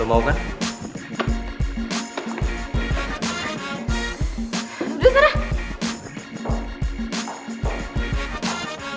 emang kamu ga bersixt